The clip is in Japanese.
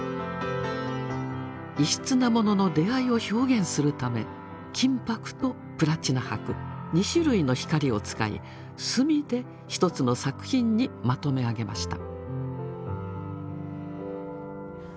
異質なものの出会いを表現するため金箔とプラチナ箔２種類の光を使い墨で一つの作品にまとめ上げました。